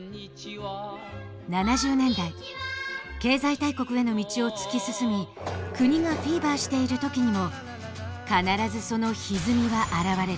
７０年代経済大国への道を突き進み国がフィーバーしている時にも必ずそのひずみは現れる。